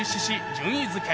順位づけ